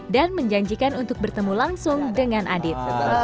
dan menjanjikan untuk bertemu langsung dengan adit